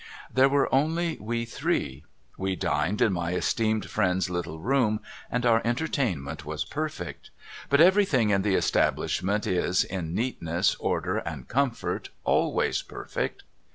There were only we three. We dined in my esteemed friend's little room, and our entertainment was perfect. But everything in the establishment is, in neatness, order, and comfort, always perfect.